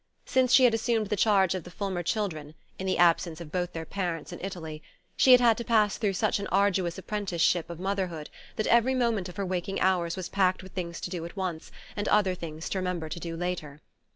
Since she had assumed the charge of the Fulmer children, in the absence of both their parents in Italy, she had had to pass through such an arduous apprenticeship of motherhood that every moment of her waking hours was packed with things to do at once, and other things to remember to do later.